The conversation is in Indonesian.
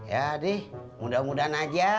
ya deh mudah mudahan aja